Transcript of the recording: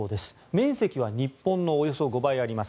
面積は日本のおよそ５倍あります。